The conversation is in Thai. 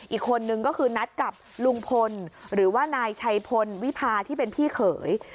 อีกคนนึงก็คือนัดกับลุงพลหรือว่านายชัยพลวิพาที่เป็นพี่เขย